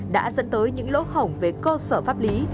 đã dẫn tới những lỗ hổng về cơ sở pháp lý